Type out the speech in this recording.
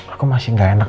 aku masih gak enak